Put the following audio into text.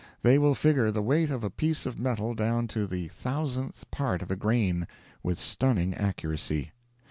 They will figure the weight of a piece of metal down to the thousandth part of a grain, with stunning accuracy.